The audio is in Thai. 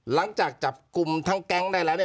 หลังจากจับกลุ่มทั้งแก๊งได้แล้วเนี่ย